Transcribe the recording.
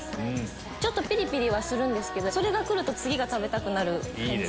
ちょっとピリピリはするんですけどそれがくると次が食べたくなる感じ。